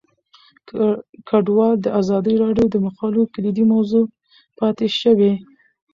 کډوال د ازادي راډیو د مقالو کلیدي موضوع پاتې شوی.